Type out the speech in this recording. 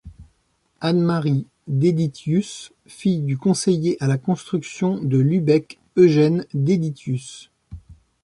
Anne-Marie Deditius, fille du conseiller à la Construction de Lübeck Eugen Deditius.